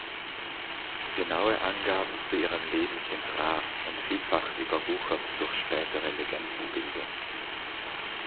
Genaue Angaben zu ihrem Leben sind rar und vielfach überwuchert durch spätere Legendenbildung.